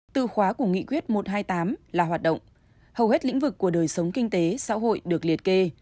từ khóa của nghị quyết một trăm hai mươi tám là hoạt động hầu hết lĩnh vực của đời sống kinh tế xã hội được liệt kê